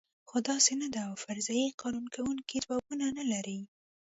خو داسې نه ده او فرضیې قانع کوونکي ځوابونه نه لري.